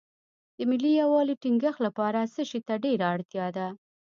د ملي یووالي ټینګښت لپاره څه شی ته ډېره اړتیا ده.